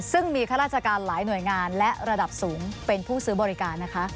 ซึ่งมีข้าราชการหลายหน่วยงานและระดับสูงเป็นผู้ซื้อบริการนะคะ